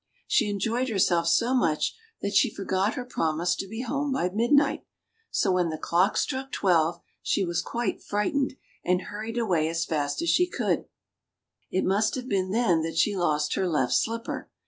She enjoyed THE CHILDREN'S WONDER BOOK. herself so much that she forgot her promise to be home by midnight ; so when the clock struck twelve, she was quite frightened, and hurried away as fast as she could go. It must have been then that she lost her left slipper.